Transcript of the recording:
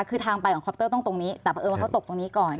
คือทางไปของคอปเตอร์ต้องตรงนี้แต่เพราะเอิญว่าเขาตกตรงนี้ก่อน